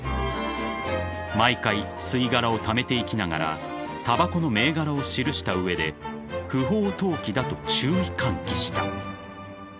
［毎回吸い殻をためていきながらたばこの銘柄を記した上で不法投棄だと注意喚起した］